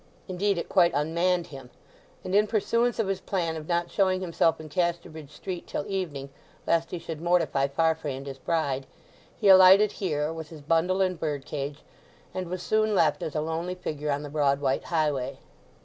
Indeed, it quite unmanned him; and in pursuance of his plan of not showing himself in Casterbridge street till evening, lest he should mortify Farfrae and his bride, he alighted here, with his bundle and bird cage, and was soon left as a lonely figure on the broad white highway.